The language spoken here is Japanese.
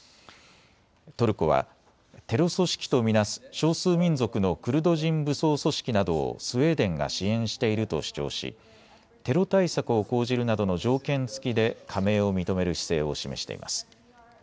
トルコはテロ組織と見なす少数民族のクルド人武装組織などをスウェーデンが支援していると主張しテロ対策を講じるなどの条件付きで加盟を認める姿勢を示しています。